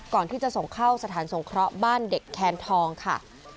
ก่อนที่จะส่งเข้าสถานสงเคราะห์บ้านเด็กแคนทองค่ะ